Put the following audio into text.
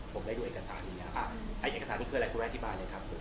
ผมได้ดูเอกสารนี้นะคะอ่ะเอกสารนี้คืออะไรคุณแม่อธิบายเลยครับคุณ